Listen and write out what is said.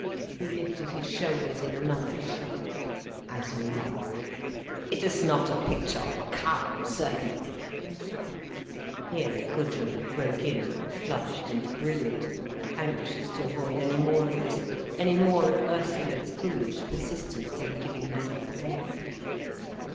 He lifted his shoulders in another shrug. "As you like—it is not a picture of a cow, certainly." Here Gudrun broke in, flushed and brilliant, anxious to avoid any more of this, any more of Ursula's foolish persistence in giving herself away.